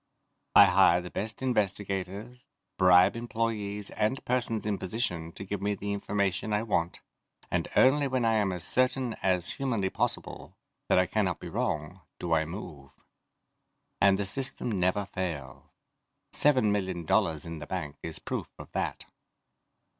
I hire the best investigators, bribe employees and persons in position to give me the information I want, and only when I am as certain as humanly possible that I cannot be wrong do I move. And the system never fails. Seven million dollars in the bank is proof of that.